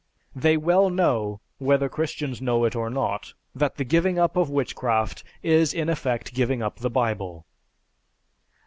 They well know (whether Christians know it or not) that the giving up of witchcraft is in effect giving up the Bible."